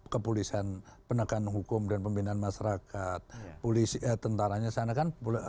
kepolisian penegakan hukum dan pembinaan masyarakat